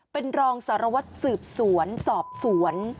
เป็นรองสารวัตรสืบสวนสอบสวน